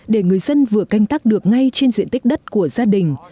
để người dân vừa canh tác được ngay trên diện tích đất của gia đình